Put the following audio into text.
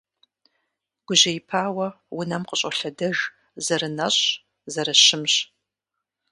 Гужьеипауэ, унэм къыщӀолъэдэж, зэрынэщӀщ, зэрыщымщ…